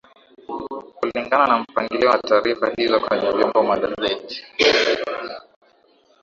Kulingana na mpangilio wa taarifa hizo kwenye vyombo magazeti